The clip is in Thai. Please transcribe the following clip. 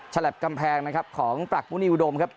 ฉลับกำแพงนะครับของปรักมุณีอุดมครับ